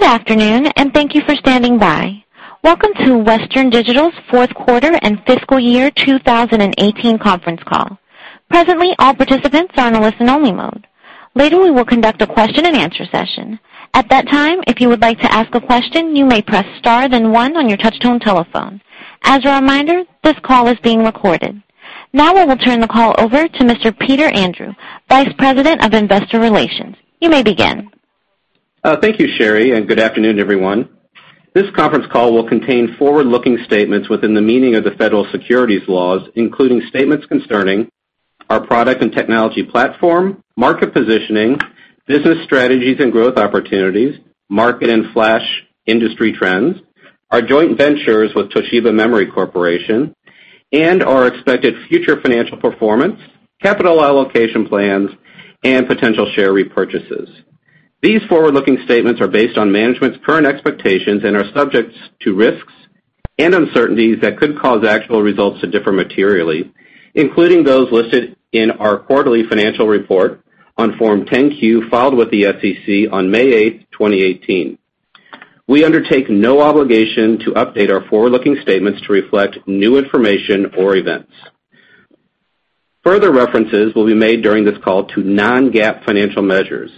Good afternoon, and thank you for standing by. Welcome to Western Digital's fourth quarter and fiscal year 2018 conference call. Presently, all participants are in a listen-only mode. Later, we will conduct a question-and-answer session. At that time, if you would like to ask a question, you may press star then one on your touch-tone telephone. As a reminder, this call is being recorded. We will now turn the call over to Mr. T. Peter Andrew, Vice President of Investor Relations. You may begin. Thank you, Sherri, and good afternoon, everyone. This conference call will contain forward-looking statements within the meaning of the federal securities laws, including statements concerning our product and technology platform, market positioning, business strategies and growth opportunities, market and flash industry trends, our joint ventures with Toshiba Memory Corporation, and our expected future financial performance, capital allocation plans, and potential share repurchases. These forward-looking statements are based on management's current expectations and are subject to risks and uncertainties that could cause actual results to differ materially, including those listed in our quarterly financial report on Form 10-Q filed with the SEC on May 8th, 2018. We undertake no obligation to update our forward-looking statements to reflect new information or events. Further references will be made during this call to non-GAAP financial measures.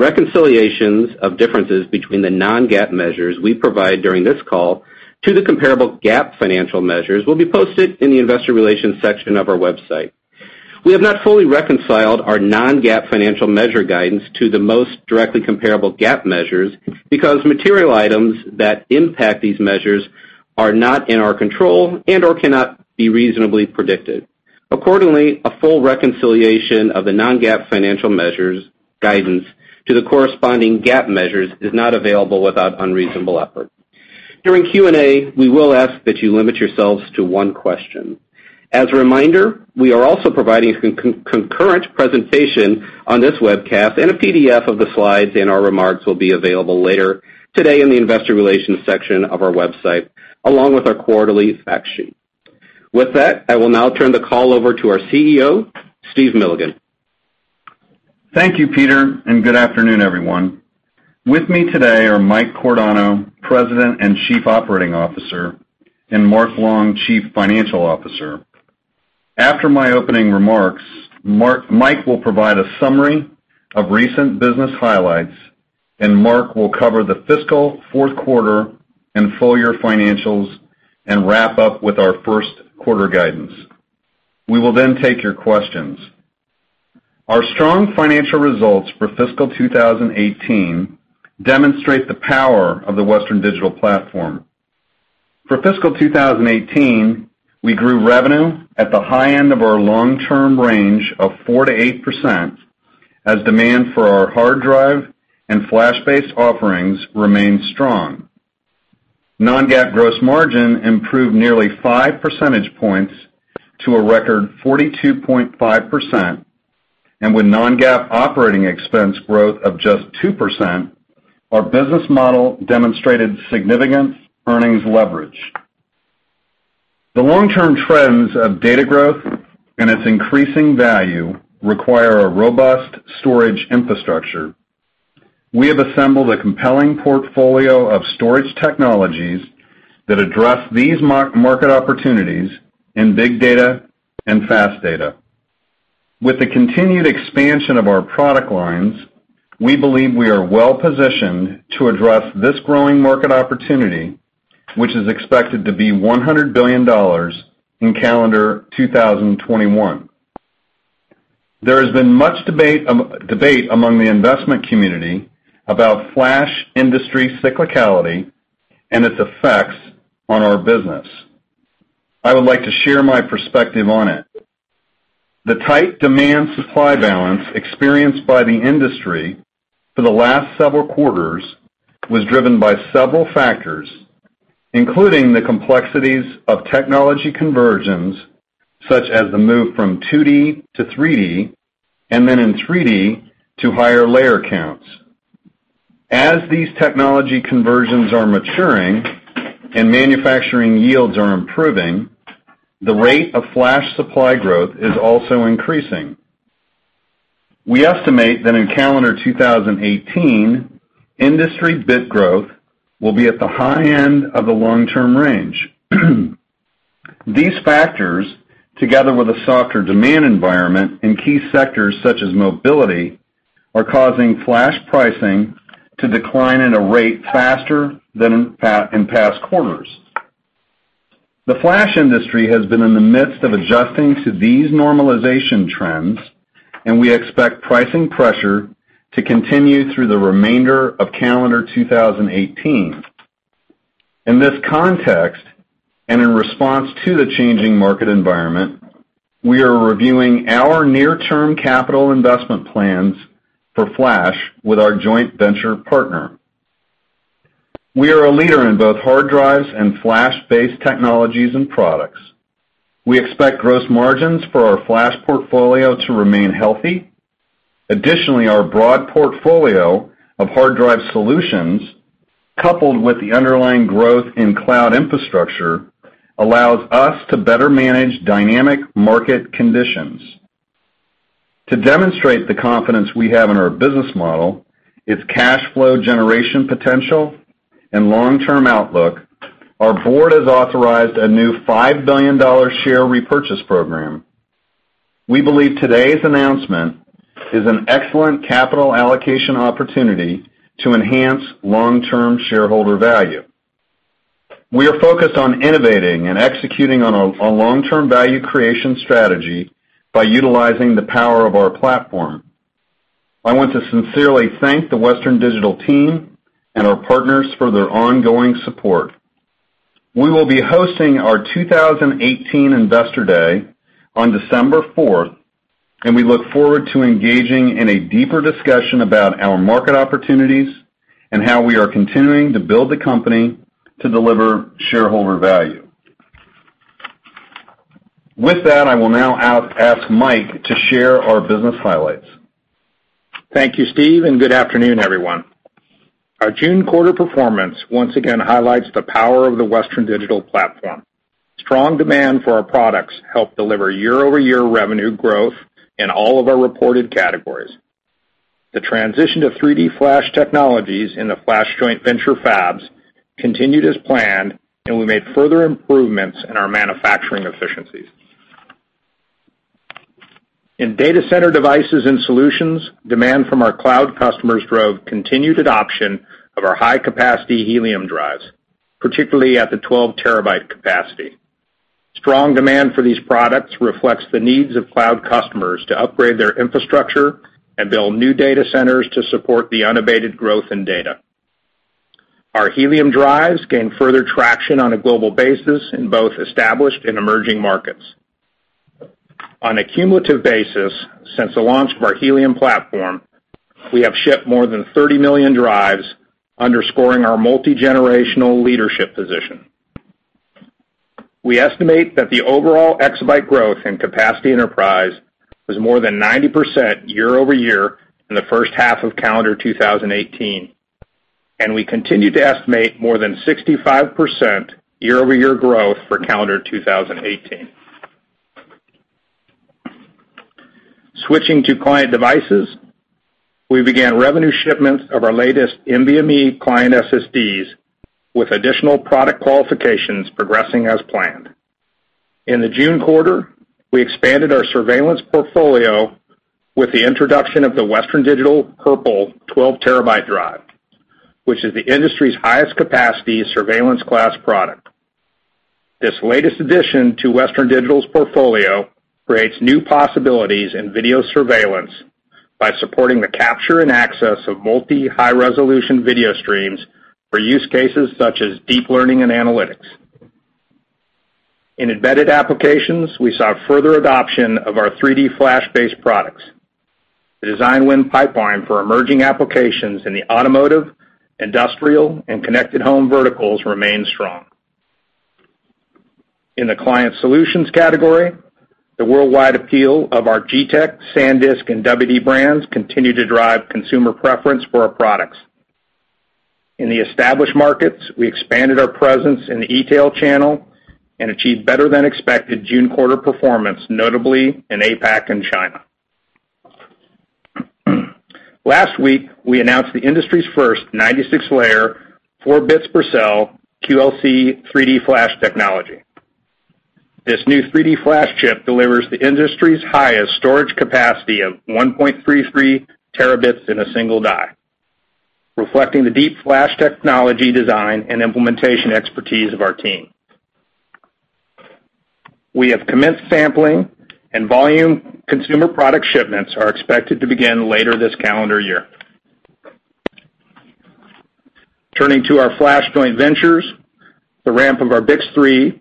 Reconciliations of differences between the non-GAAP measures we provide during this call to the comparable GAAP financial measures will be posted in the investor relations section of our website. We have not fully reconciled our non-GAAP financial measure guidance to the most directly comparable GAAP measures because material items that impact these measures are not in our control and/or cannot be reasonably predicted. Accordingly, a full reconciliation of the non-GAAP financial measures guidance to the corresponding GAAP measures is not available without unreasonable effort. During Q&A, we will ask that you limit yourselves to one question. As a reminder, we are also providing a concurrent presentation on this webcast, and a PDF of the slides and our remarks will be available later today in the investor relations section of our website, along with our quarterly fact sheet. With that, I will now turn the call over to our CEO, Steve Milligan. Thank you, Peter, and good afternoon, everyone. With me today are Mike Cordano, President and Chief Operating Officer, and Mark Long, Chief Financial Officer. After my opening remarks, Mike will provide a summary of recent business highlights. Mark will cover the fiscal fourth quarter and full-year financials and wrap up with our first-quarter guidance. We will then take your questions. Our strong financial results for fiscal 2018 demonstrate the power of the Western Digital platform. For fiscal 2018, we grew revenue at the high end of our long-term range of 4%-8% as demand for our hard drive and flash-based offerings remained strong. Non-GAAP gross margin improved nearly five percentage points to a record 42.5%. With non-GAAP operating expense growth of just 2%, our business model demonstrated significant earnings leverage. The long-term trends of data growth and its increasing value require a robust storage infrastructure. We have assembled a compelling portfolio of storage technologies that address these market opportunities in big data and fast data. With the continued expansion of our product lines, we believe we are well-positioned to address this growing market opportunity, which is expected to be $100 billion in calendar 2021. There has been much debate among the investment community about flash industry cyclicality and its effects on our business. I would like to share my perspective on it. The tight demand-supply balance experienced by the industry for the last several quarters was driven by several factors, including the complexities of technology conversions such as the move from 2D to 3D, and then in 3D to higher layer counts. As these technology conversions are maturing and manufacturing yields are improving, the rate of flash supply growth is also increasing. We estimate that in calendar 2018, industry bit growth will be at the high end of the long-term range. These factors, together with a softer demand environment in key sectors such as mobility, are causing flash pricing to decline at a rate faster than in past quarters. The flash industry has been in the midst of adjusting to these normalization trends. We expect pricing pressure to continue through the remainder of calendar 2018. In this context, in response to the changing market environment, we are reviewing our near-term capital investment plans for flash with our joint venture partner. We are a leader in both hard drives and flash-based technologies and products. We expect gross margins for our flash portfolio to remain healthy. Additionally, our broad portfolio of hard drive solutions, coupled with the underlying growth in cloud infrastructure, allows us to better manage dynamic market conditions. To demonstrate the confidence we have in our business model, its cash flow generation potential, and long-term outlook, our board has authorized a new $5 billion share repurchase program. We believe today's announcement is an excellent capital allocation opportunity to enhance long-term shareholder value. We are focused on innovating and executing on a long-term value creation strategy by utilizing the power of our platform. I want to sincerely thank the Western Digital team and our partners for their ongoing support. We will be hosting our 2018 Investor Day on December 4th. We look forward to engaging in a deeper discussion about our market opportunities and how we are continuing to build the company to deliver shareholder value. With that, I will now ask Mike to share our business highlights. Good afternoon, everyone. Our June quarter performance once again highlights the power of the Western Digital platform. Strong demand for our products helped deliver year-over-year revenue growth in all of our reported categories. The transition to 3D Flash technologies in the Flash joint venture fabs continued as planned, and we made further improvements in our manufacturing efficiencies. In data center devices and solutions, demand from our cloud customers drove continued adoption of our high-capacity Helium drives, particularly at the 12 terabyte capacity. Strong demand for these products reflects the needs of cloud customers to upgrade their infrastructure and build new data centers to support the unabated growth in data. Our Helium drives gain further traction on a global basis in both established and emerging markets. On a cumulative basis, since the launch of our Helium platform, we have shipped more than 30 million drives, underscoring our multi-generational leadership position. We estimate that the overall exabyte growth in capacity enterprise was more than 90% year-over-year in the first half of calendar 2018. We continue to estimate more than 65% year-over-year growth for calendar 2018. Switching to client devices, we began revenue shipments of our latest NVMe client SSDs with additional product qualifications progressing as planned. In the June quarter, we expanded our surveillance portfolio with the introduction of the Western Digital Purple 12 terabyte drive, which is the industry's highest capacity surveillance class product. This latest addition to Western Digital's portfolio creates new possibilities in video surveillance by supporting the capture and access of multi high-resolution video streams for use cases such as deep learning and analytics. In embedded applications, we saw further adoption of our 3D Flash-based products. The design win pipeline for emerging applications in the automotive, industrial, and connected home verticals remain strong. In the client solutions category, the worldwide appeal of our G-Technology, SanDisk, and WD brands continue to drive consumer preference for our products. In the established markets, we expanded our presence in the e-tail channel and achieved better-than-expected June quarter performance, notably in APAC and China. Last week, we announced the industry's first 96-layer, four bits per cell, QLC 3D Flash technology. This new 3D Flash chip delivers the industry's highest storage capacity of 1.33 terabits in a single die, reflecting the deep Flash technology design and implementation expertise of our team. Volume consumer product shipments are expected to begin later this calendar year. Turning to our Flash joint ventures, the ramp of our BiCS3,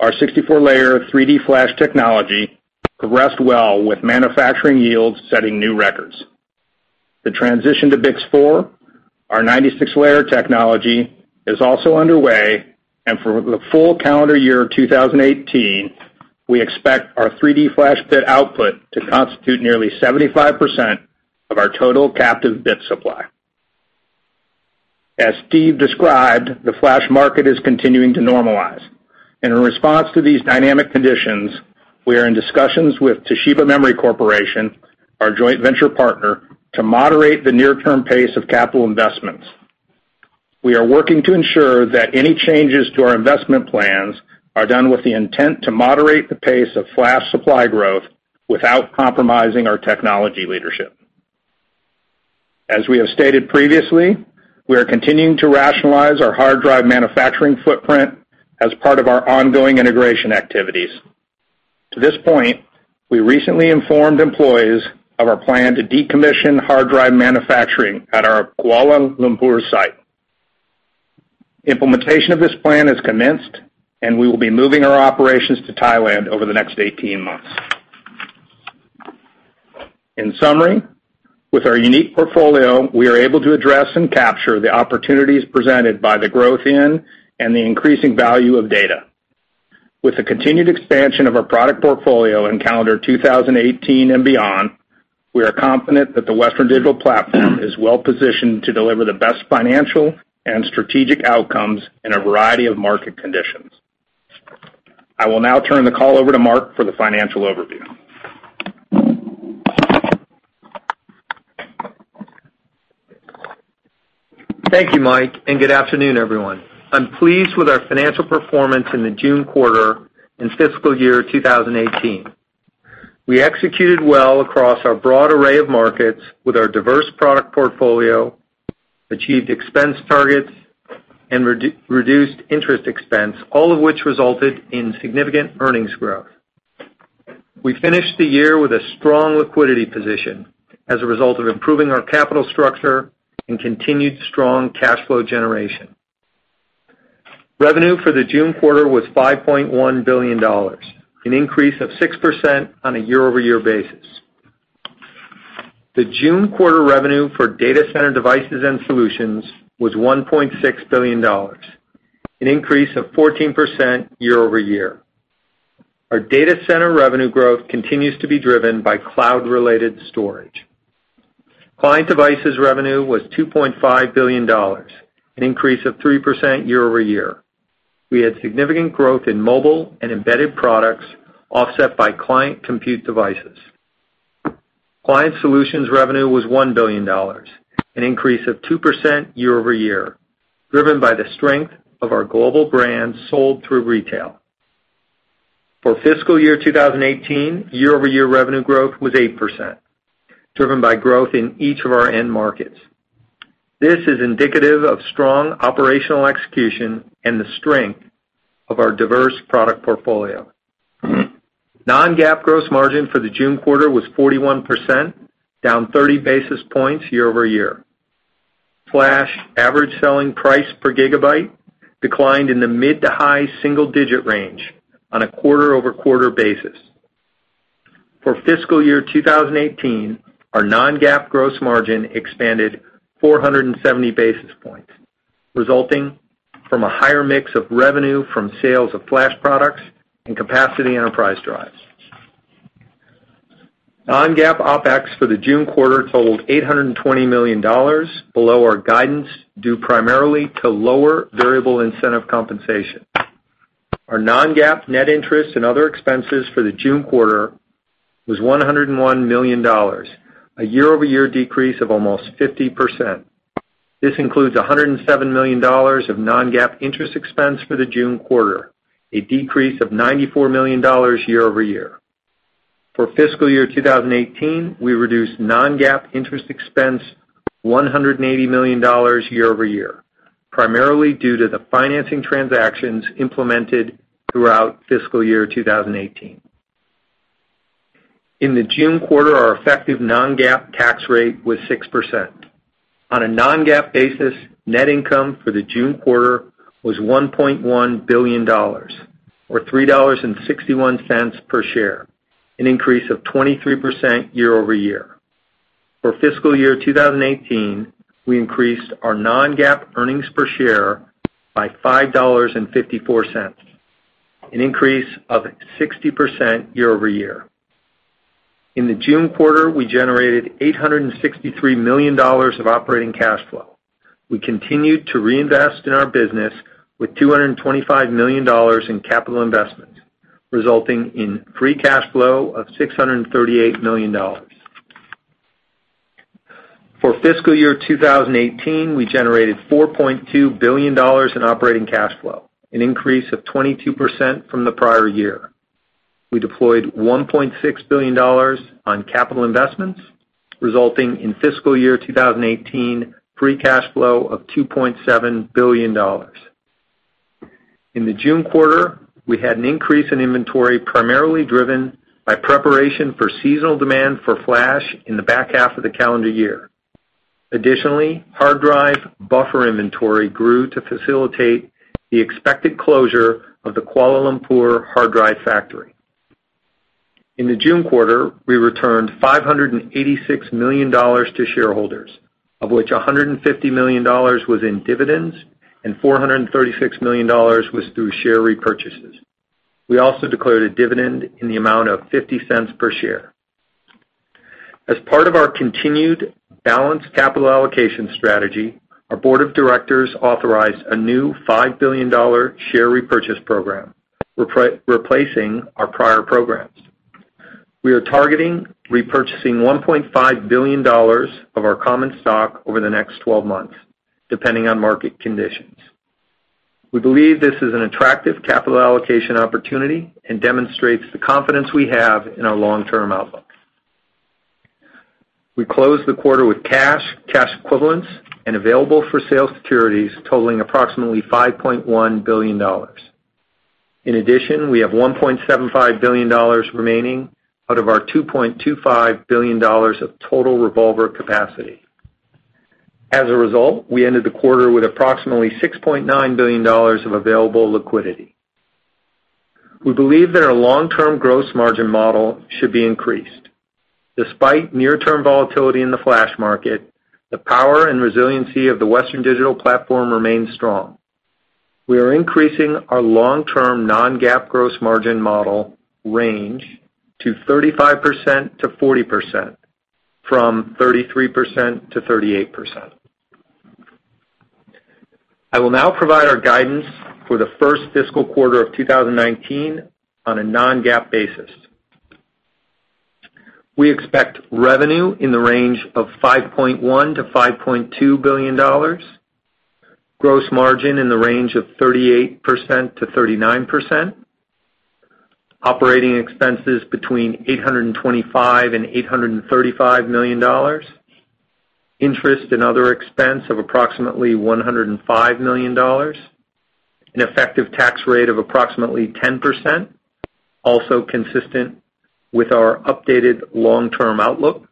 our 64-layer 3D Flash technology, progressed well with manufacturing yields setting new records. The transition to BiCS4, our 96-layer technology, is also underway. For the full calendar year of 2018, we expect our 3D Flash bit output to constitute nearly 75% of our total captive bit supply. As Steve described, the Flash market is continuing to normalize. In response to these dynamic conditions, we are in discussions with Toshiba Memory Corporation, our joint venture partner, to moderate the near-term pace of capital investments. We are working to ensure that any changes to our investment plans are done with the intent to moderate the pace of Flash supply growth without compromising our technology leadership. As we have stated previously, we are continuing to rationalize our hard drive manufacturing footprint as part of our ongoing integration activities. To this point, we recently informed employees of our plan to decommission hard drive manufacturing at our Kuala Lumpur site. Implementation of this plan is commenced, and we will be moving our operations to Thailand over the next 18 months. In summary, with our unique portfolio, we are able to address and capture the opportunities presented by the growth in and the increasing value of data. With the continued expansion of our product portfolio in calendar 2018 and beyond, we are confident that the Western Digital platform is well-positioned to deliver the best financial and strategic outcomes in a variety of market conditions. I will now turn the call over to Mark for the financial overview. Thank you, Mike, and good afternoon, everyone. I am pleased with our financial performance in the June quarter and fiscal year 2018. We executed well across our broad array of markets with our diverse product portfolio, achieved expense targets, and reduced interest expense, all of which resulted in significant earnings growth. We finished the year with a strong liquidity position as a result of improving our capital structure and continued strong cash flow generation. Revenue for the June quarter was $5.1 billion, an increase of 6% on a year-over-year basis. The June quarter revenue for data center devices and solutions was $1.6 billion, an increase of 14% year-over-year. Our data center revenue growth continues to be driven by cloud-related storage. Client devices revenue was $2.5 billion, an increase of 3% year-over-year. We had significant growth in mobile and embedded products offset by client compute devices. Client solutions revenue was $1 billion, an increase of 2% year-over-year, driven by the strength of our global brands sold through retail. For fiscal year 2018, year-over-year revenue growth was 8%, driven by growth in each of our end markets. This is indicative of strong operational execution and the strength of our diverse product portfolio. Non-GAAP gross margin for the June quarter was 41%, down 30 basis points year-over-year. Flash average selling price per gigabyte declined in the mid to high single-digit range on a quarter-over-quarter basis. For fiscal year 2018, our non-GAAP gross margin expanded 470 basis points, resulting from a higher mix of revenue from sales of Flash products and capacity enterprise drives. Non-GAAP OpEx for the June quarter totaled $820 million, below our guidance, due primarily to lower variable incentive compensation. Our non-GAAP net interest and other expenses for the June quarter was $101 million, a year-over-year decrease of almost 50%. This includes $107 million of non-GAAP interest expense for the June quarter, a decrease of $94 million year-over-year. For fiscal year 2018, we reduced non-GAAP interest expense $180 million year-over-year, primarily due to the financing transactions implemented throughout fiscal year 2018. In the June quarter, our effective non-GAAP tax rate was 6%. On a non-GAAP basis, net income for the June quarter was $1.1 billion, or $3.61 per share, an increase of 23% year-over-year. For fiscal year 2018, we increased our non-GAAP earnings per share by $5.54, an increase of 60% year-over-year. In the June quarter, we generated $863 million of operating cash flow. We continued to reinvest in our business with $225 million in capital investments, resulting in free cash flow of $638 million. For fiscal year 2018, we generated $4.2 billion in operating cash flow, an increase of 22% from the prior year. We deployed $1.6 billion on capital investments, resulting in fiscal year 2018 free cash flow of $2.7 billion. In the June quarter, we had an increase in inventory primarily driven by preparation for seasonal demand for flash in the back half of the calendar year. Additionally, hard drive buffer inventory grew to facilitate the expected closure of the Kuala Lumpur hard drive factory. In the June quarter, we returned $586 million to shareholders, of which $150 million was in dividends and $436 million was through share repurchases. We also declared a dividend in the amount of $0.50 per share. As part of our continued balanced capital allocation strategy, our board of directors authorized a new $5 billion share repurchase program, replacing our prior programs. We are targeting repurchasing $1.5 billion of our common stock over the next 12 months, depending on market conditions. We believe this is an attractive capital allocation opportunity and demonstrates the confidence we have in our long-term outlook. We closed the quarter with cash equivalents, and available-for-sale securities totaling approximately $5.1 billion. In addition, we have $1.75 billion remaining out of our $2.25 billion of total revolver capacity. As a result, we ended the quarter with approximately $6.9 billion of available liquidity. We believe that our long-term gross margin model should be increased. Despite near-term volatility in the flash market, the power and resiliency of the Western Digital platform remains strong. We are increasing our long-term non-GAAP gross margin model range to 35%-40%, from 33%-38%. I will now provide our guidance for the first fiscal quarter of 2019 on a non-GAAP basis. We expect revenue in the range of $5.1 billion-$5.2 billion, gross margin in the range of 38%-39%, operating expenses between $825 million and $835 million, interest and other expense of approximately $105 million, an effective tax rate of approximately 10%, also consistent with our updated long-term outlook,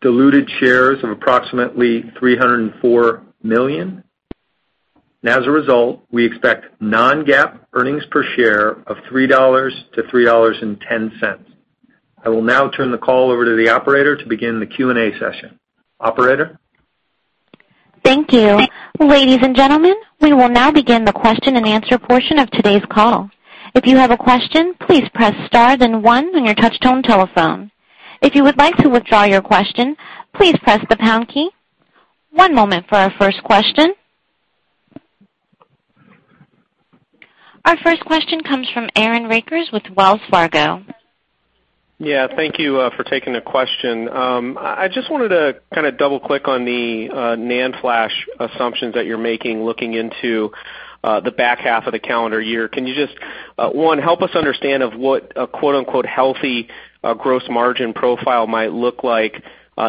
diluted shares of approximately 304 million. As a result, we expect non-GAAP earnings per share of $3-$3.10. I will now turn the call over to the operator to begin the Q&A session. Operator? Thank you. Ladies and gentlemen, we will now begin the question and answer portion of today's call. If you have a question, please press star then one on your touch-tone telephone. If you would like to withdraw your question, please press the pound key. One moment for our first question. Our first question comes from Aaron Rakers with Wells Fargo. Yeah, thank you for taking the question. I just wanted to kind of double-click on the NAND flash assumptions that you're making looking into the back half of the calendar year. Can you just, one, help us understand of what a quote, unquote, "healthy" gross margin profile might look like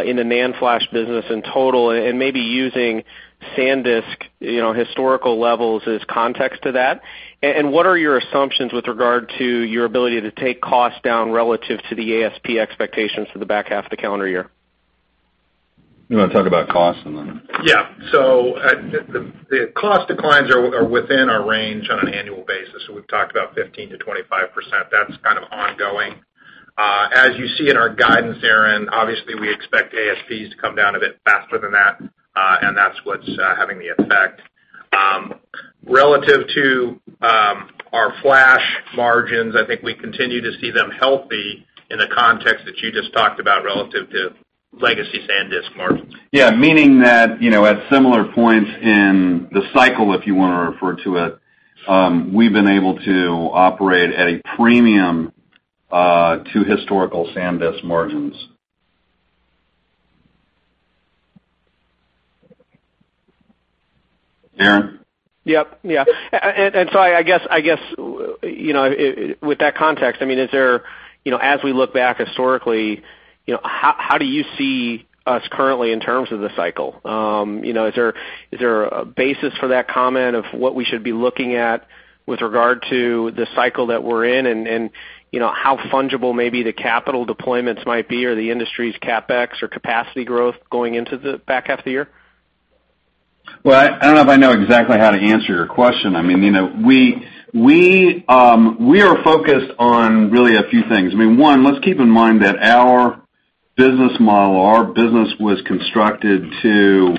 in the NAND flash business in total and maybe using SanDisk historical levels as context to that? What are your assumptions with regard to your ability to take costs down relative to the ASP expectations for the back half of the calendar year? You want to talk about costs? Yeah. The cost declines are within our range on an annual basis. So we've talked about 15%-25%. That's kind of ongoing. As you see in our guidance, Aaron, obviously, we expect ASPs to come down a bit faster than that, and that's what's having the effect. Relative to our flash margins, I think we continue to see them healthy in the context that you just talked about relative to legacy SanDisk margins. Yeah. Meaning that, at similar points in the cycle, if you want to refer to it, we've been able to operate at a premium to historical SanDisk margins. Aaron? Yep. Yeah. I guess, with that context, as we look back historically, how do you see us currently in terms of the cycle? Is there a basis for that comment of what we should be looking at with regard to the cycle that we're in, and how fungible maybe the capital deployments might be or the industry's CapEx or capacity growth going into the back half of the year? Well, I don't know if I know exactly how to answer your question. We are focused on really a few things. One, let's keep in mind that our business model, our business was constructed to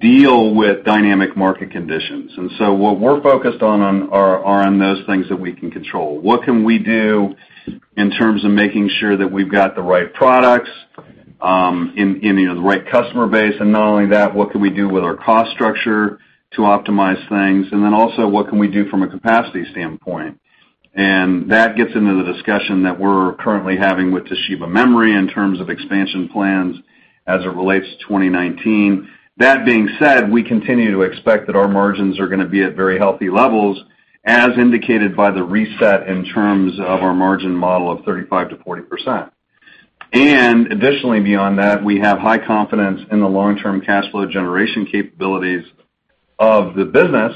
deal with dynamic market conditions. What we're focused on are on those things that we can control. What can we do in terms of making sure that we've got the right products, the right customer base, and not only that, what can we do with our cost structure to optimize things? Then also, what can we do from a capacity standpoint? That gets into the discussion that we're currently having with Toshiba Memory in terms of expansion plans as it relates to 2019. That being said, we continue to expect that our margins are going to be at very healthy levels, as indicated by the reset in terms of our margin model of 35%-40%. Additionally, beyond that, we have high confidence in the long-term cash flow generation capabilities of the business,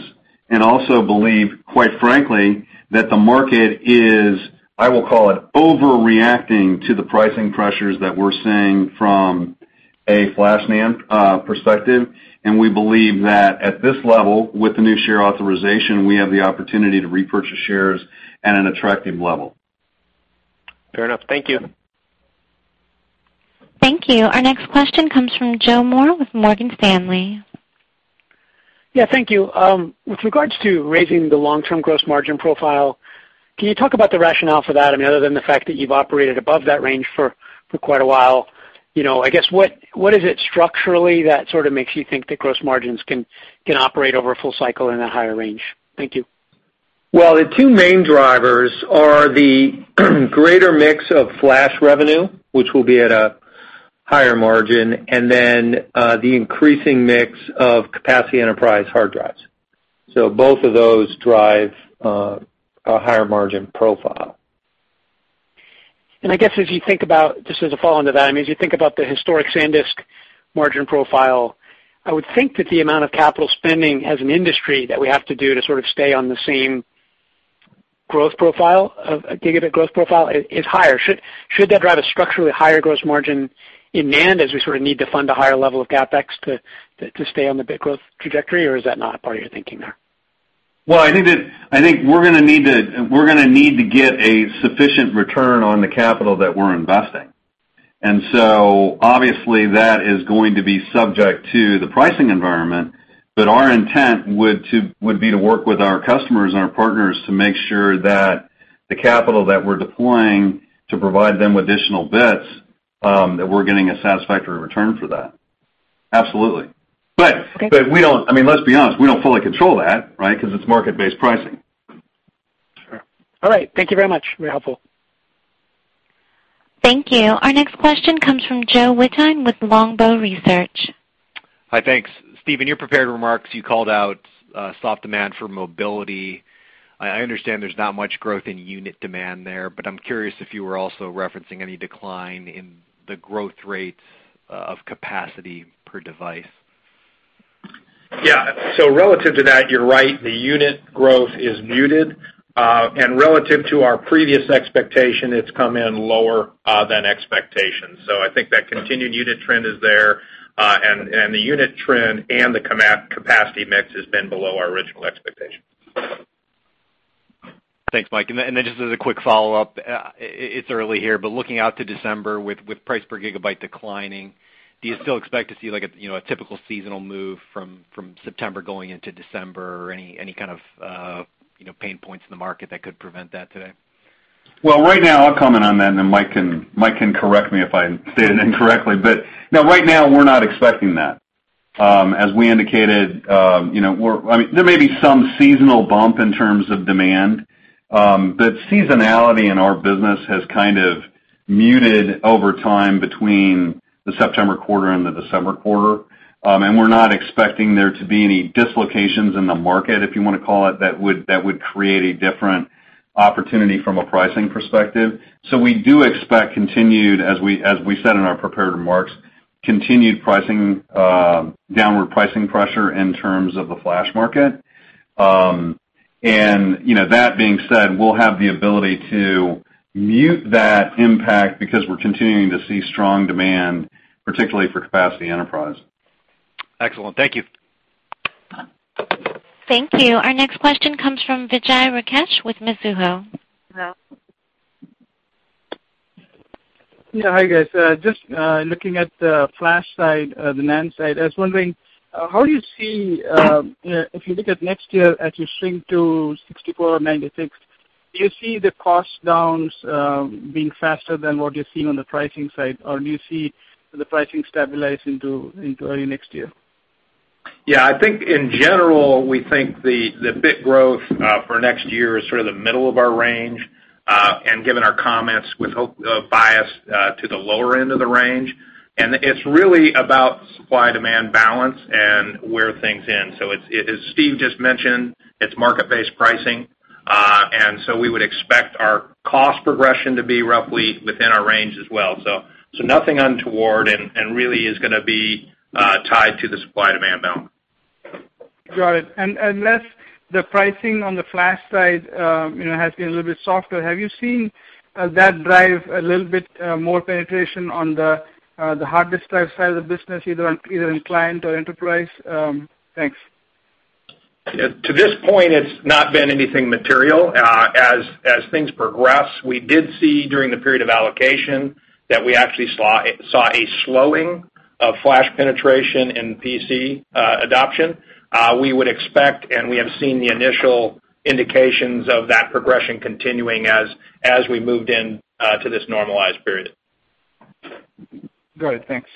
and also believe, quite frankly, that the market is, I will call it, overreacting to the pricing pressures that we're seeing from a flash NAND perspective. We believe that at this level, with the new share authorization, we have the opportunity to repurchase shares at an attractive level. Fair enough. Thank you. Thank you. Our next question comes from Joseph Moore with Morgan Stanley. Thank you. With regards to raising the long-term gross margin profile, can you talk about the rationale for that, other than the fact that you've operated above that range for quite a while? I guess what is it structurally that sort of makes you think the gross margins can operate over a full cycle in that higher range? Thank you. The two main drivers are the greater mix of flash revenue, which will be at a higher margin, and then the increasing mix of capacity enterprise hard drives. Both of those drive a higher margin profile. I guess if you think about, just as a follow-on to that, as you think about the historic SanDisk margin profile, I would think that the amount of capital spending as an industry that we have to do to sort of stay on the same growth profile, a gigabit growth profile, is higher. Should that drive a structurally higher gross margin in NAND as we sort of need to fund a higher level of CapEx to stay on the bit growth trajectory? Is that not a part of your thinking there? Well, I think we're going to need to get a sufficient return on the capital that we're investing. Obviously, that is going to be subject to the pricing environment. Our intent would be to work with our customers and our partners to make sure that the capital that we're deploying to provide them with additional bits that we're getting a satisfactory return for that. Absolutely. Okay. Let's be honest, we don't fully control that, right? Because it's market-based pricing. Sure. All right. Thank you very much. Very helpful. Thank you. Our next question comes from Joe Wittine with Longbow Research. Hi, thanks. Steve, your prepared remarks, you called out soft demand for mobility. I understand there's not much growth in unit demand there, I'm curious if you were also referencing any decline in the growth rates of capacity per device. Yeah. Relative to that, you're right, the unit growth is muted. Relative to our previous expectation, it's come in lower than expectations. I think that continued unit trend is there, and the unit trend and the capacity mix has been below our original expectations. Thanks, Mike. Just as a quick follow-up, it's early here, but looking out to December with price per gigabyte declining, do you still expect to see a typical seasonal move from September going into December or any kind of pain points in the market that could prevent that today? Well, right now, I'll comment on that, and then Mike can correct me if I state it incorrectly. No, right now, we're not expecting that. As we indicated, there may be some seasonal bump in terms of demand, but seasonality in our business has kind of muted over time between the September quarter and the December quarter. We're not expecting there to be any dislocations in the market, if you want to call it, that would create a different opportunity from a pricing perspective. We do expect, as we said in our prepared remarks, continued downward pricing pressure in terms of the flash market. That being said, we'll have the ability to mute that impact because we're continuing to see strong demand, particularly for capacity enterprise. Excellent. Thank you. Thank you. Our next question comes from Vijay Rakesh with Mizuho. Yeah. Hi, guys. Just looking at the flash side, the NAND side, I was wondering, if you look at next year as you shrink to 64 or 96, do you see the cost downs being faster than what you're seeing on the pricing side? Or do you see the pricing stabilizing into early next year? Yeah, I think in general, we think the bit growth for next year is sort of the middle of our range. Given our comments with a bias to the lower end of the range, it is really about supply-demand balance and where things end. As Steve just mentioned, it is market-based pricing. So we would expect our cost progression to be roughly within our range as well. Nothing untoward, and really is going to be tied to the supply-demand balance. Got it. Last, the pricing on the flash side has been a little bit softer. Have you seen that drive a little bit more penetration on the hard disk drive side of the business, either in client or enterprise? Thanks. To this point, it is not been anything material. As things progress, we did see during the period of allocation that we actually saw a slowing of flash penetration in PC adoption. We would expect, and we have seen the initial indications of that progression continuing as we moved into this normalized period. Got it. Thanks.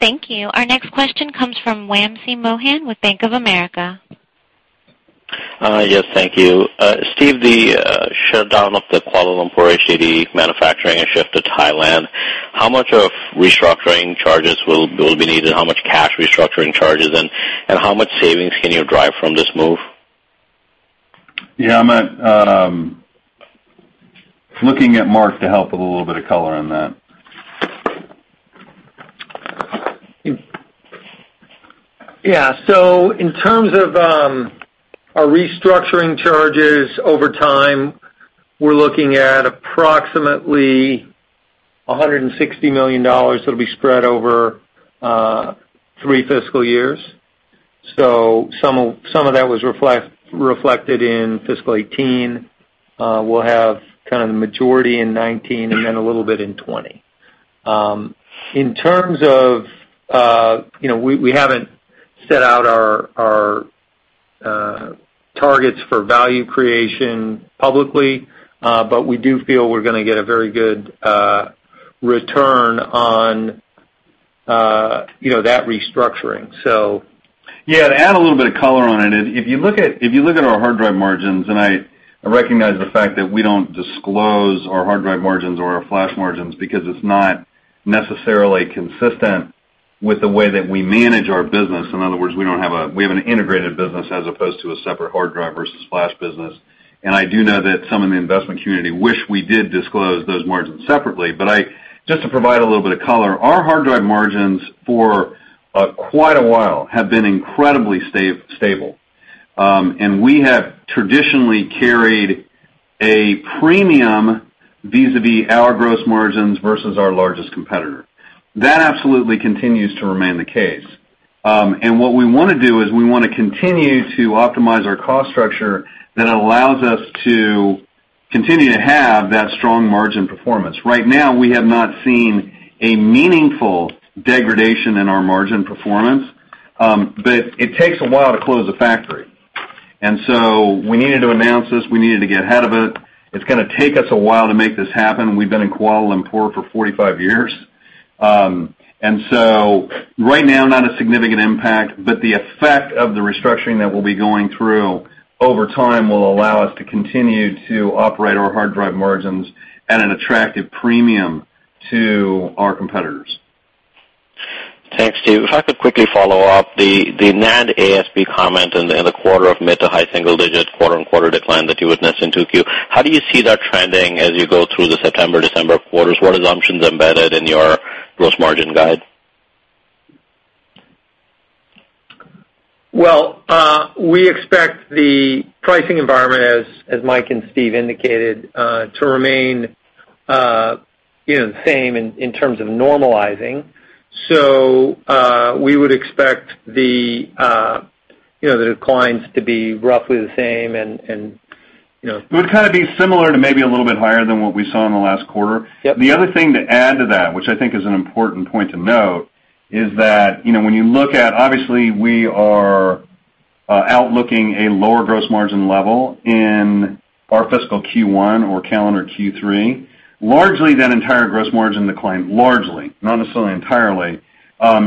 Thank you. Our next question comes from Wamsi Mohan with Bank of America. Yes. Thank you. Steve, the shutdown of the Kuala Lumpur HDD manufacturing and shift to Thailand, how much of restructuring charges will be needed? How much cash restructuring charges, and how much savings can you drive from this move? Yeah, I'm looking at Mark to help with a little bit of color on that. Yeah. In terms of our restructuring charges over time, we're looking at approximately $160 million that'll be spread over three fiscal years. Some of that was reflected in fiscal 2018. We'll have kind of the majority in 2019 and then a little bit in 2020. We haven't set out our targets for value creation publicly, but we do feel we're going to get a very good return on that restructuring. Yeah, to add a little bit of color on it, if you look at our hard drive margins, I recognize the fact that we don't disclose our hard drive margins or our flash margins because it's not necessarily consistent with the way that we manage our business. In other words, we have an integrated business as opposed to a separate hard drive versus flash business. I do know that some in the investment community wish we did disclose those margins separately. Just to provide a little bit of color, our hard drive margins for quite a while have been incredibly stable. We have traditionally carried a premium vis-a-vis our gross margins versus our largest competitor. That absolutely continues to remain the case. What we want to do is we want to continue to optimize our cost structure that allows us to continue to have that strong margin performance. Right now, we have not seen a meaningful degradation in our margin performance. It takes a while to close a factory. We needed to announce this. We needed to get ahead of it. It's going to take us a while to make this happen. We've been in Kuala Lumpur for 45 years. Right now, not a significant impact, but the effect of the restructuring that we'll be going through over time will allow us to continue to operate our hard drive margins at an attractive premium to our competitors. Thanks, Steve. If I could quickly follow up, the NAND ASP comment and the quarter of mid-to-high single-digit quarter-on-quarter decline that you witnessed in 2Q, how do you see that trending as you go through the September, December quarters? What assumptions are embedded in your gross margin guide? Well, we expect the pricing environment, as Mike and Steve indicated, to remain the same in terms of normalizing. We would expect the declines to be roughly the same. It would be similar to maybe a little bit higher than what we saw in the last quarter. Yep. The other thing to add to that, which I think is an important point to note, is that when you look at, obviously, we are outlooking a lower gross margin level in our fiscal Q1 or calendar Q3. Largely, that entire gross margin decline, largely, not necessarily entirely,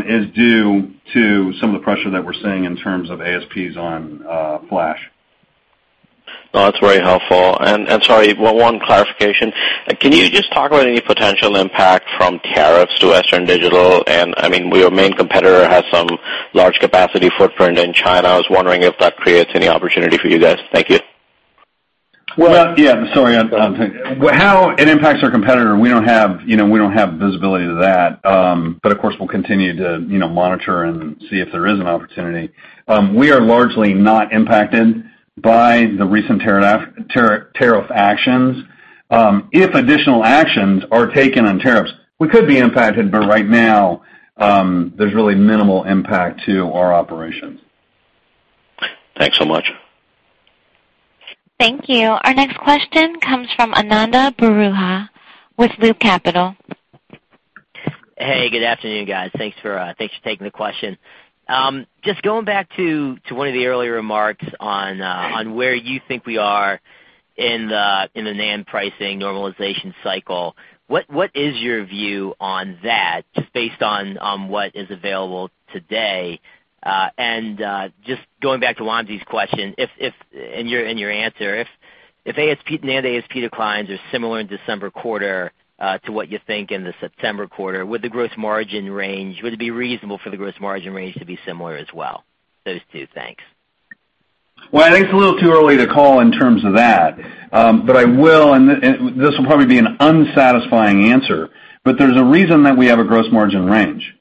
is due to some of the pressure that we're seeing in terms of ASPs on flash. That's very helpful. Sorry, one clarification. Can you just talk about any potential impact from tariffs to Western Digital? I mean, your main competitor has some large capacity footprint in China. I was wondering if that creates any opportunity for you guys. Thank you. Yeah. Sorry. How it impacts our competitor, we don't have visibility to that. Of course, we'll continue to monitor and see if there is an opportunity. We are largely not impacted by the recent tariff actions. If additional actions are taken on tariffs, we could be impacted, but right now, there's really minimal impact to our operations. Thanks so much. Thank you. Our next question comes from Ananda Baruah with Loop Capital. Hey, good afternoon, guys. Thanks for taking the question. Just going back to one of the earlier remarks on where you think we are in the NAND pricing normalization cycle, what is your view on that, just based on what is available today? Just going back to Wamsi's question, and your answer, if NAND ASP declines are similar in December quarter to what you think in the September quarter, would it be reasonable for the gross margin range to be similar as well? Those two. Thanks. I think it's a little too early to call in terms of that. I will, and this will probably be an unsatisfying answer, but there's a reason that we have a gross margin range,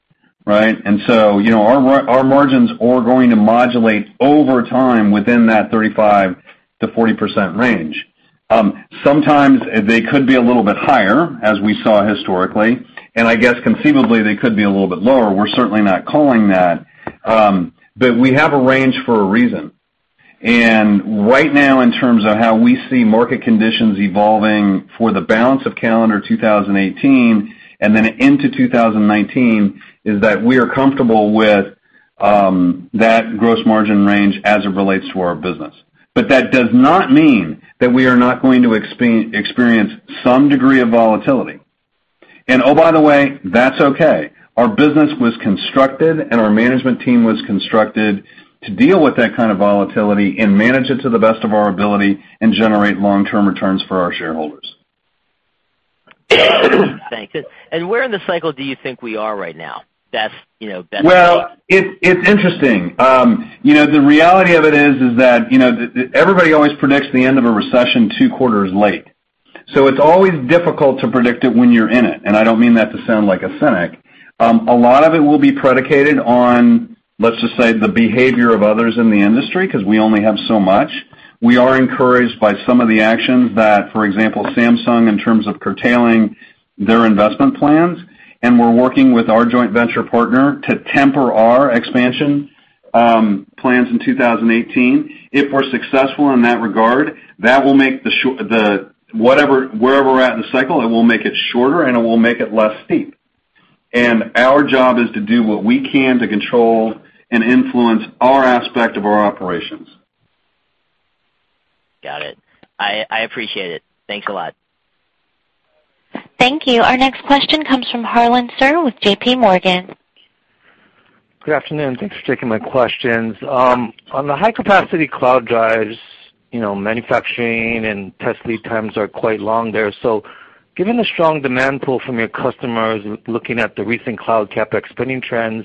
right? Our margins are going to modulate over time within that 35%-40% range. Sometimes they could be a little bit higher, as we saw historically, and I guess conceivably they could be a little bit lower. We're certainly not calling that. We have a range for a reason. Right now, in terms of how we see market conditions evolving for the balance of calendar 2018 and then into 2019, is that we are comfortable with that gross margin range as it relates to our business. That does not mean that we are not going to experience some degree of volatility. Oh, by the way, that's okay. Our business was constructed, and our management team was constructed to deal with that kind of volatility and manage it to the best of our ability and generate long-term returns for our shareholders. Thanks. Where in the cycle do you think we are right now, best guess? Well, it's interesting. The reality of it is that everybody always predicts the end of a recession two quarters late. It's always difficult to predict it when you're in it, and I don't mean that to sound like a cynic. A lot of it will be predicated on, let's just say, the behavior of others in the industry, because we only have so much. We are encouraged by some of the actions that, for example, Samsung, in terms of curtailing their investment plans, and we're working with our joint venture partner to temper our expansion plans in 2018. If we're successful in that regard, wherever we're at in the cycle, it will make it shorter, and it will make it less steep. Our job is to do what we can to control and influence our aspect of our operations. Got it. I appreciate it. Thanks a lot. Thank you. Our next question comes from Harlan Sur with J.P. Morgan. Good afternoon. Thanks for taking my questions. On the high-capacity cloud drives, manufacturing and test lead times are quite long there. Given the strong demand pull from your customers, looking at the recent cloud CapEx spending trends,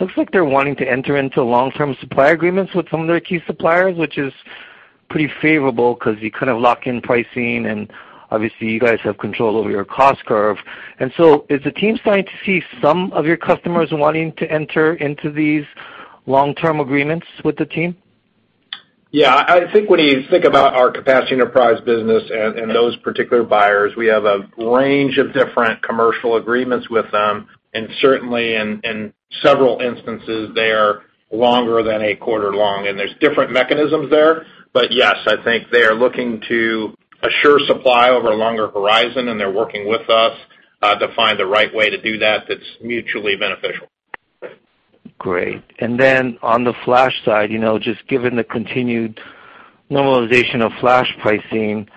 looks like they're wanting to enter into long-term supply agreements with some of their key suppliers, which is pretty favorable because you lock in pricing, and obviously, you guys have control over your cost curve. Is the team starting to see some of your customers wanting to enter into these long-term agreements with the team? Yeah. I think when you think about our capacity enterprise business and those particular buyers, we have a range of different commercial agreements with them, and certainly in several instances, they are longer than a quarter long. There's different mechanisms there. Yes, I think they are looking to assure supply over a longer horizon, and they're working with us to find the right way to do that that's mutually beneficial. Great. On the flash side, just given the continued normalization of flash pricing,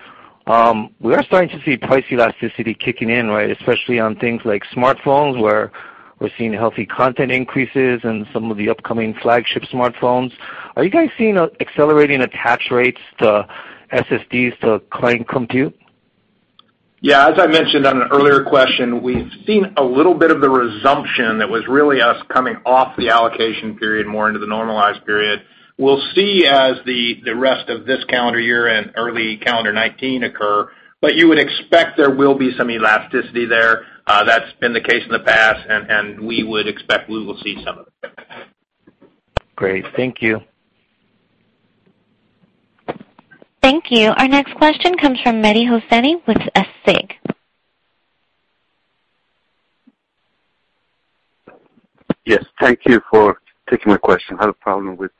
we are starting to see price elasticity kicking in, right? Especially on things like smartphones, where we're seeing healthy content increases and some of the upcoming flagship smartphones. Are you guys seeing accelerating attach rates to SSDs to client compute? Yeah. As I mentioned on an earlier question, we've seen a little bit of the resumption that was really us coming off the allocation period more into the normalized period. We'll see as the rest of this calendar year and early calendar 2019 occur, but you would expect there will be some elasticity there. That's been the case in the past, and we would expect we will see some of it. Great. Thank you. Thank you. Our next question comes from Mehdi Hosseini with SIG. Yes, thank you for taking my question. I had a problem with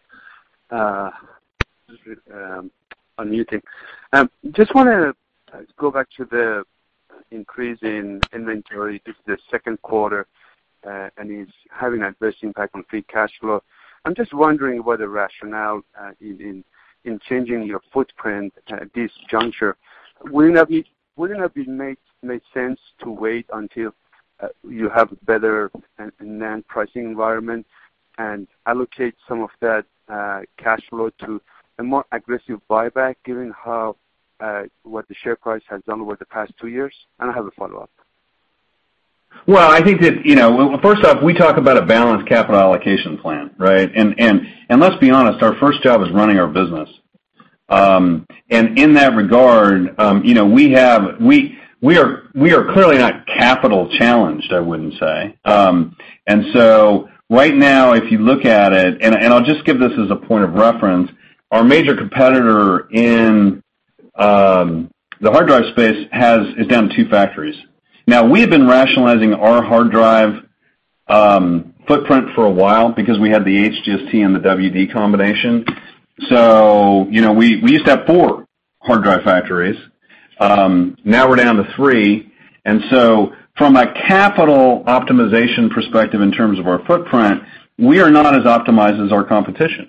unmuting. Just want to go back to the increase in inventory, just the second quarter, and it's having adverse impact on free cash flow. I'm just wondering what the rationale in changing your footprint at this juncture. Wouldn't it have made sense to wait until you have better NAND pricing environment and allocate some of that cash flow to a more aggressive buyback given what the share price has done over the past 2 years? I have a follow-up. Well, I think that, first off, we talk about a balanced capital allocation plan, right? Let's be honest, our first job is running our business. In that regard, we are clearly not capital-challenged, I wouldn't say. Right now, if you look at it, I'll just give this as a point of reference, our major competitor in the hard drive space is down 2 factories. Now, we have been rationalizing our hard drive footprint for a while because we had the HGST and the WD combination. We used to have 4 hard drive factories. Now we're down to 3. From a capital optimization perspective in terms of our footprint, we are not as optimized as our competition.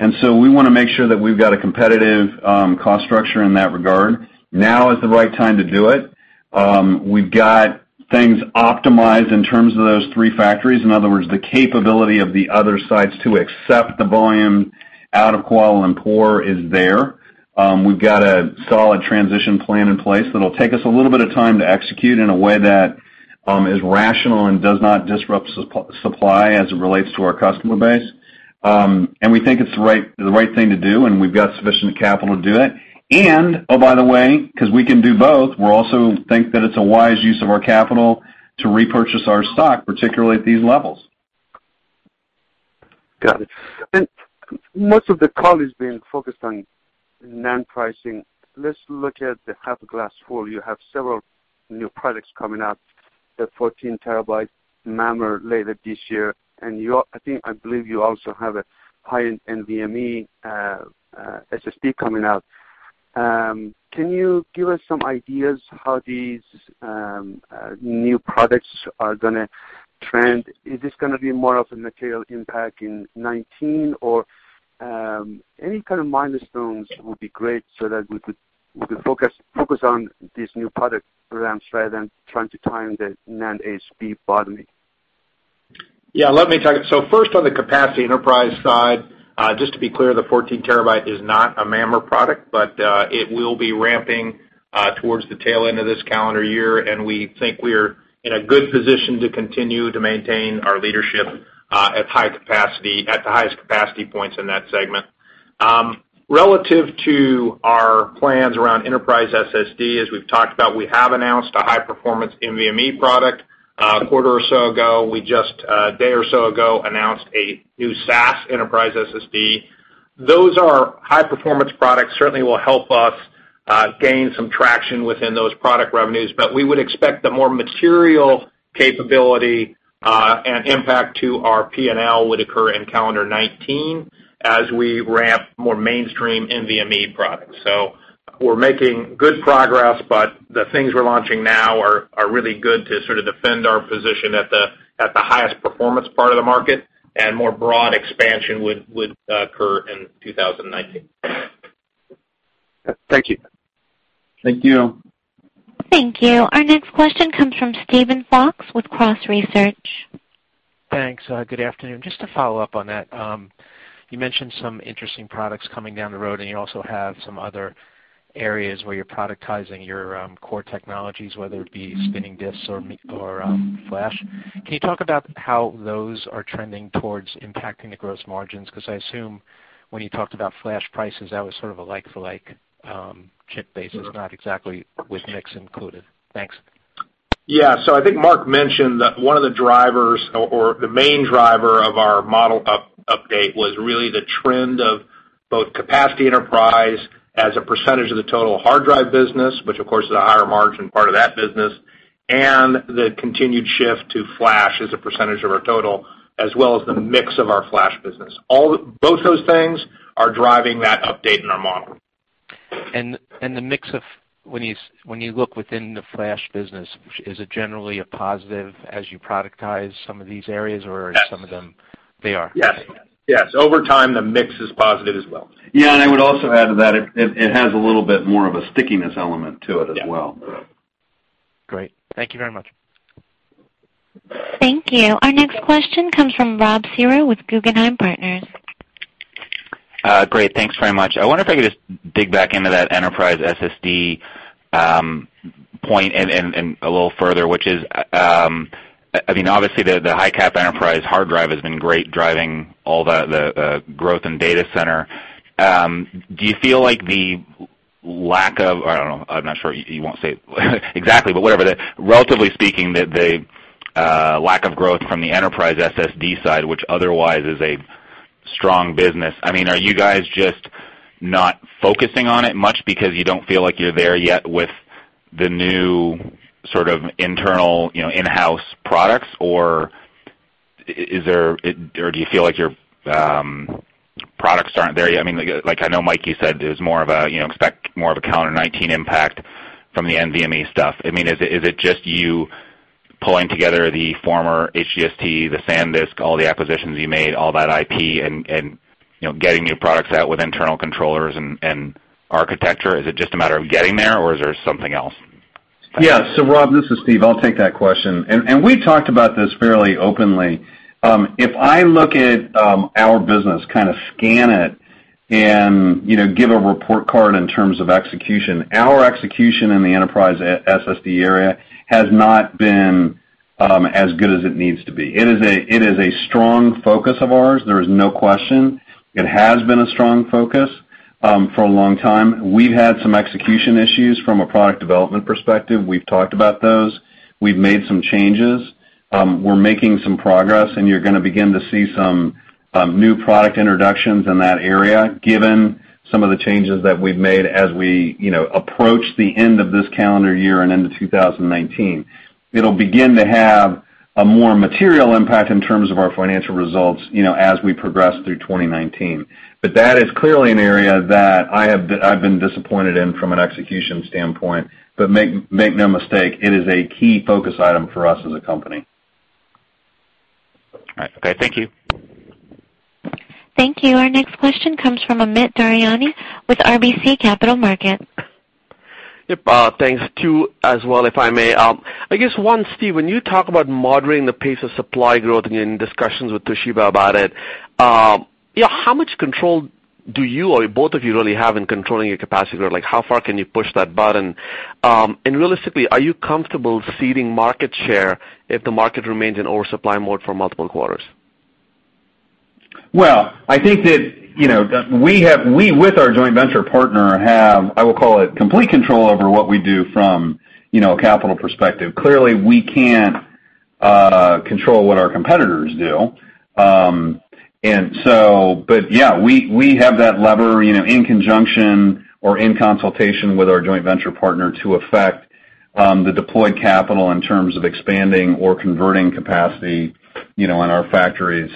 We want to make sure that we've got a competitive cost structure in that regard. Now is the right time to do it. We've got things optimized in terms of those three factories. In other words, the capability of the other sites to accept the volume out of Kuala Lumpur is there. We've got a solid transition plan in place that'll take us a little bit of time to execute in a way that is rational and does not disrupt supply as it relates to our customer base. We think it's the right thing to do, and we've got sufficient capital to do it. Oh, by the way, because we can do both, we also think that it's a wise use of our capital to repurchase our stock, particularly at these levels. Got it. Most of the call is being focused on NAND pricing. Let's look at the half glass full. You have several new products coming out, the 14 terabyte MAMR later this year, and I believe you also have a high-end NVMe SSD coming out. Can you give us some ideas how these new products are going to trend? Is this going to be more of a material impact in 2019? Any kind of milestones would be great so that we could focus on these new product ramps rather than trying to time the NAND ASP bottoming. Yeah, let me talk. First on the capacity enterprise side, just to be clear, the 14 terabyte is not a MAMR product, it will be ramping towards the tail end of this calendar year, and we think we're in a good position to continue to maintain our leadership at the highest capacity points in that segment. Relative to our plans around enterprise SSD, as we've talked about, we have announced a high-performance NVMe product a quarter or so ago. We just, a day or so ago, announced a new SAS enterprise SSD. Those are high-performance products, certainly will help us gain some traction within those product revenues, we would expect the more material capability and impact to our P&L would occur in calendar 2019 as we ramp more mainstream NVMe products. We're making good progress, the things we're launching now are really good to sort of defend our position at the highest performance part of the market, more broad expansion would occur in 2019. Thank you. Thank you. Thank you. Our next question comes from Steven Fox with Cross Research. Thanks. Good afternoon. Just to follow up on that, you mentioned some interesting products coming down the road, and you also have some other areas where you're productizing your core technologies, whether it be spinning disks or flash. Can you talk about how those are trending towards impacting the gross margins? I assume when you talked about flash prices, that was sort of a like-for-like check basis, not exactly with mix included. Thanks. I think Mark mentioned that one of the drivers or the main driver of our model update was really the trend of both capacity enterprise as a % of the total hard drive business, which of course is a higher margin part of that business, and the continued shift to flash as a % of our total, as well as the mix of our flash business. Both those things are driving that update in our model. The mix of when you look within the flash business, is it generally a positive as you productize some of these areas? Or are some of them? Yes. They are? Yes. Over time, the mix is positive as well. Yeah, and I would also add to that, it has a little bit more of a stickiness element to it as well. Yeah. Great. Thank you very much. Thank you. Our next question comes from Rob Cihra with Guggenheim Partners. Great. Thanks very much. I wonder if I could just dig back into that enterprise SSD point and a little further, which is, obviously the high cap enterprise hard drive has been great driving all the growth in data center. Do you feel like the lack of, I don't know, I'm not sure, you won't say exactly, but whatever, the, relatively speaking, the lack of growth from the enterprise SSD side, which otherwise is a strong business, are you guys just not focusing on it much because you don't feel like you're there yet with the new sort of internal in-house products, or do you feel like your products aren't there yet? I know, Mike, you said it was more of a expect more of a calendar 2019 impact from the NVMe stuff. Is it just you pulling together the former HGST, the SanDisk, all the acquisitions you made, all that IP, and getting new products out with internal controllers and architecture? Is it just a matter of getting there, or is there something else? Yeah. Rob, this is Steve. I'll take that question. We talked about this fairly openly. If I look at our business, kind of scan it, and give a report card in terms of execution, our execution in the enterprise SSD area has not been as good as it needs to be. It is a strong focus of ours, there is no question. It has been a strong focus for a long time. We've had some execution issues from a product development perspective. We've talked about those. We've made some changes. We're making some progress, and you're going to begin to see some new product introductions in that area, given some of the changes that we've made as we approach the end of this calendar year and into 2019. It'll begin to have a more material impact in terms of our financial results as we progress through 2019. That is clearly an area that I've been disappointed in from an execution standpoint. Make no mistake, it is a key focus item for us as a company. All right. Okay. Thank you. Thank you. Our next question comes from Amit Daryanani with RBC Capital Markets. Yep, thanks to you as well, if I may. I guess one, Steve, when you talk about moderating the pace of supply growth and your discussions with Toshiba about it, how much control do you or both of you really have in controlling your capacity growth? How far can you push that button? Realistically, are you comfortable ceding market share if the market remains in oversupply mode for multiple quarters? Well, I think that, we with our joint venture partner have, I will call it complete control over what we do from a capital perspective. Clearly, we can't control what our competitors do. Yeah, we have that lever in conjunction or in consultation with our joint venture partner to affect the deployed capital in terms of expanding or converting capacity in our factories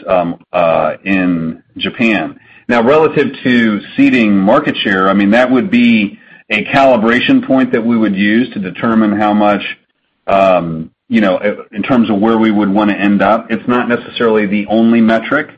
in Japan. Relative to ceding market share, that would be a calibration point that we would use to determine how much, in terms of where we would want to end up. It's not necessarily the only metric.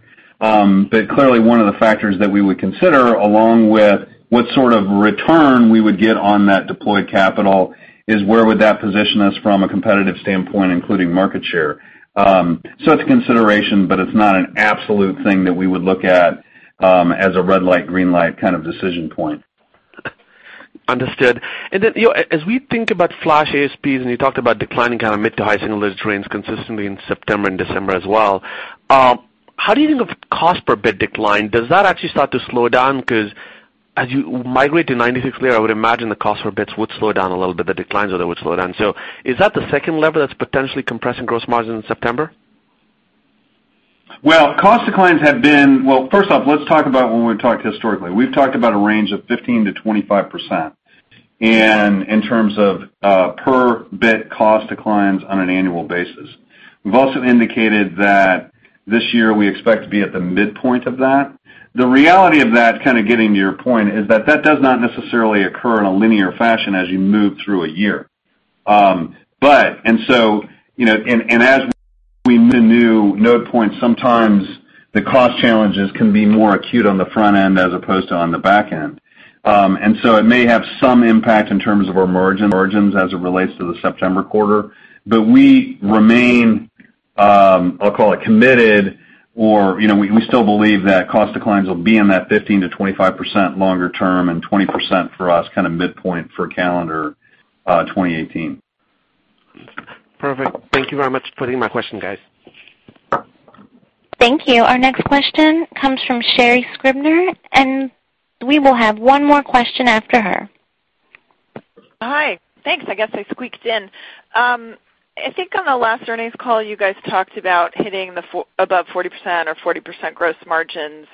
Clearly one of the factors that we would consider, along with what sort of return we would get on that deployed capital is where would that position us from a competitive standpoint, including market share. It's a consideration, but it's not an absolute thing that we would look at as a red light, green light kind of decision point. Understood. As we think about flash ASPs, you talked about declining mid-to-high single digits range consistently in September and December as well, how do you think of cost per bit decline? Does that actually start to slow down because as you migrate to 96-layer, I would imagine the cost for bits would slow down a little bit, the declines of that would slow down. Is that the second lever that's potentially compressing gross margin in September? Well, first off, let's talk about when we've talked historically. We've talked about a range of 15%-25%, in terms of per bit cost declines on an annual basis. We've also indicated that this year we expect to be at the midpoint of that. The reality of that, kind of getting to your point, is that that does not necessarily occur in a linear fashion as you move through a year. As we move to new node points, sometimes the cost challenges can be more acute on the front end as opposed to on the back end. It may have some impact in terms of our margins as it relates to the September quarter. We remain, I'll call it committed or, we still believe that cost declines will be in that 15%-25% longer term and 20% for us midpoint for calendar 2018. Perfect. Thank you very much for taking my question, guys. Thank you. Our next question comes from Sherri Scribner. We will have one more question after her. Hi. Thanks. I guess I squeaked in. I think on the last earnings call, you guys talked about hitting above 40% or 40% gross margins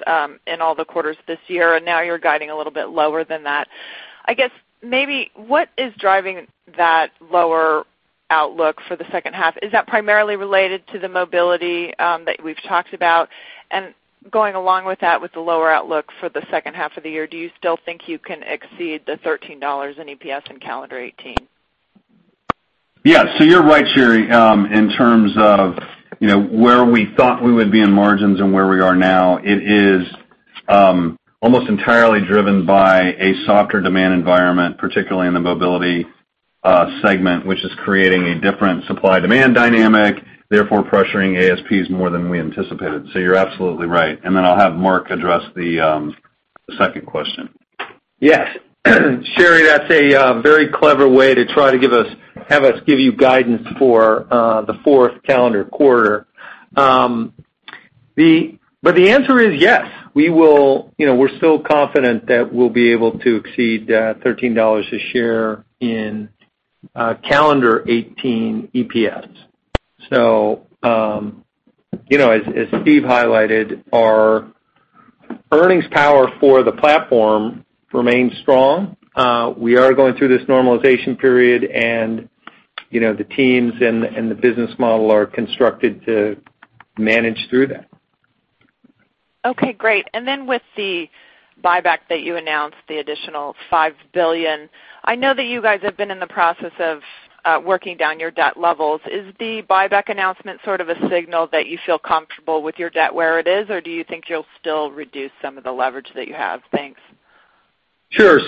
in all the quarters this year. Now you're guiding a little bit lower than that. I guess, maybe what is driving that lower outlook for the second half, is that primarily related to the mobility that we've talked about? Going along with that, with the lower outlook for the second half of the year, do you still think you can exceed the $13 in EPS in calendar 2018? Yes. You're right, Sherri, in terms of where we thought we would be in margins and where we are now. It is almost entirely driven by a softer demand environment, particularly in the mobility segment, which is creating a different supply-demand dynamic, therefore pressuring ASPs more than we anticipated. You're absolutely right. Then I'll have Mark address the second question. Yes. Sherri, that's a very clever way to try to have us give you guidance for the fourth calendar quarter. The answer is yes. We're still confident that we'll be able to exceed $13 a share in calendar 2018 EPS. As Steve highlighted, our earnings power for the platform remains strong. We are going through this normalization period, and the teams and the business model are constructed to manage through that. Okay, great. With the buyback that you announced, the additional $5 billion, I know that you guys have been in the process of working down your debt levels. Is the buyback announcement sort of a signal that you feel comfortable with your debt where it is, or do you think you'll still reduce some of the leverage that you have? Thanks. Sure.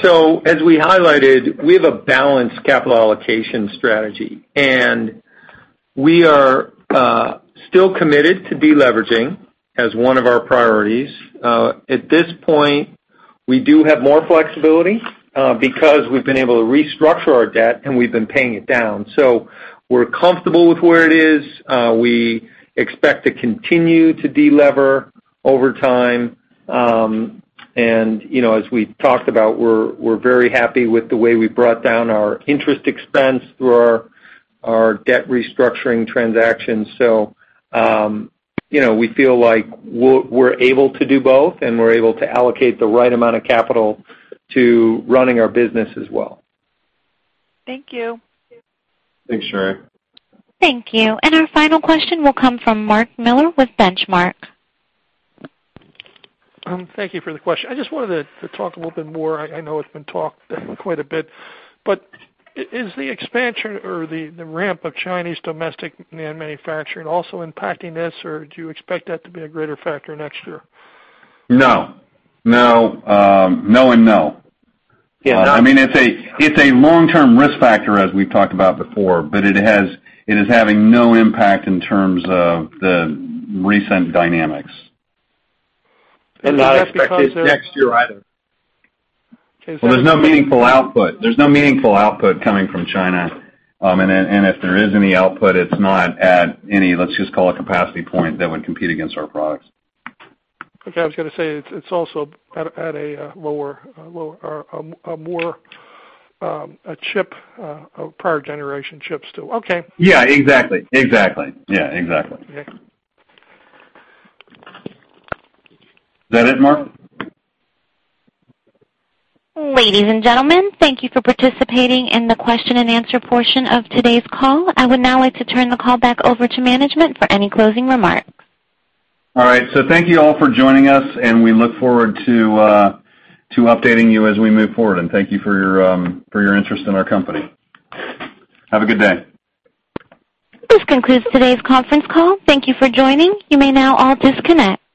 As we highlighted, we have a balanced capital allocation strategy, and we are still committed to de-leveraging as one of our priorities. At this point, we do have more flexibility because we've been able to restructure our debt, and we've been paying it down. We're comfortable with where it is. We expect to continue to de-lever over time. As we talked about, we're very happy with the way we brought down our interest expense through our debt restructuring transactions. We feel like we're able to do both, and we're able to allocate the right amount of capital to running our business as well. Thank you. Thanks, Sherri. Thank you. Our final question will come from Mark Miller with Benchmark. Thank you for the question. I just wanted to talk a little bit more, I know it's been talked quite a bit, but is the expansion or the ramp of Chinese domestic NAND manufacturing also impacting this, or do you expect that to be a greater factor next year? No. No, no. Yeah. It's a long-term risk factor, as we've talked about before, but it is having no impact in terms of the recent dynamics. Do you expect? Not expected next year either. There's no meaningful output. There's no meaningful output coming from China, and if there is any output, it's not at any, let's just call it capacity point that would compete against our products. I was going to say, it's also at a lower or prior generation chips too. Yeah, exactly. Okay. Is that it, Mark? Ladies and gentlemen, thank you for participating in the question-and-answer portion of today's call. I would now like to turn the call back over to management for any closing remarks. All right. Thank you all for joining us, and we look forward to updating you as we move forward. Thank you for your interest in our company. Have a good day. This concludes today's conference call. Thank you for joining. You may now all disconnect.